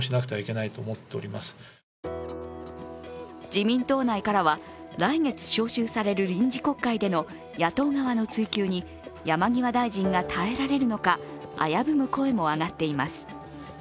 自民党内からは来月召集される臨時国会での野党側の追及に山際大臣が耐えられるのか危ぶむ声も上がっています。